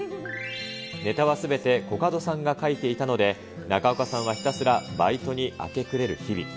ネタはすべてコカドさんが書いていたので、中岡さんはひたすらバイトに明け暮れる日々。